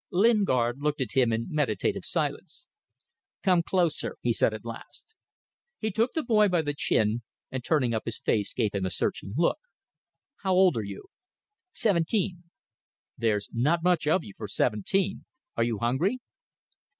Lingard looked at him in meditative silence. "Come closer," he said at last. He took the boy by the chin, and turning up his face gave him a searching look. "How old are you?" "Seventeen." "There's not much of you for seventeen. Are you hungry?"